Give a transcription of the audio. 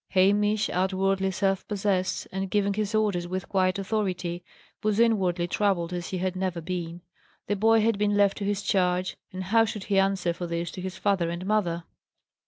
Hamish, outwardly self possessed, and giving his orders with quiet authority, was inwardly troubled as he had never been. The boy had been left to his charge, and how should he answer for this to his father and mother?